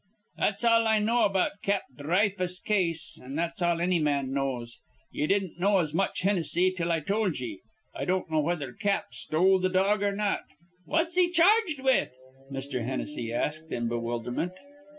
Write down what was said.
"That's all I know about Cap Dhry fuss' case, an' that's all anny man knows. Ye didn't know as much, Hinnissy, till I told ye. I don't know whether Cap stole th' dog or not." "What's he charged with?" Mr. Hennessy asked, in bewilderment.